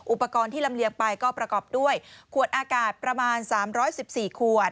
อุปกรณ์ที่ลำเลียงไปก็ประกอบด้วยขวดอากาศประมาณ๓๑๔ขวด